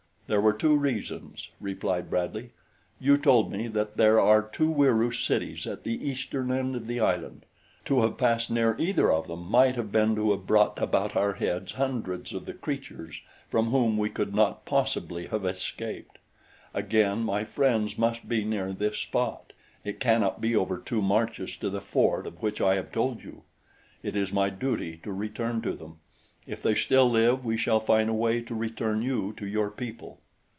"There were two reasons," replied Bradley. "You told me that there are two Wieroo cities at the eastern end of the island. To have passed near either of them might have been to have brought about our heads hundreds of the creatures from whom we could not possibly have escaped. Again, my friends must be near this spot it cannot be over two marches to the fort of which I have told you. It is my duty to return to them. If they still live we shall find a way to return you to your people."